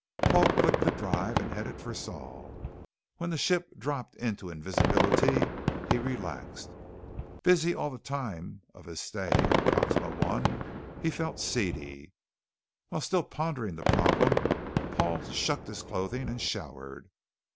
Paul clicked the drive and headed for Sol. When the ship dropped into invisibility, he relaxed. Busy all the time of his stay on Proxima I, he felt seedy. While still pondering the problem, Paul shucked his clothing and showered.